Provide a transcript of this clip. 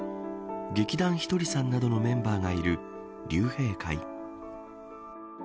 劇団ひとりさんなどのメンバーがいる竜平会。